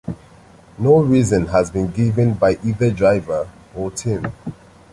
No reason has been given by either driver or team.